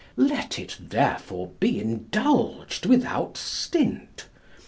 Let it therefore be indulged without stint.